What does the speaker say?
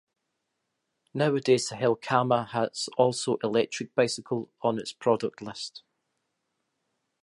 Nowadays Helkama has also electric bicycles on its productlist.